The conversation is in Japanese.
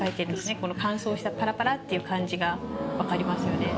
この乾燥したパラパラっていう感じがわかりますよね。